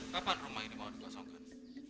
kapan rumah ini mau dikosongkan